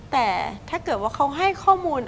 แต่ถ้าเกิดว่าเขาให้ข้อมูล